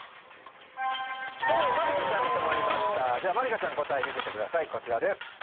まりかちゃんに止まりましたじゃあまりかちゃん答え見せてくださいこちらです。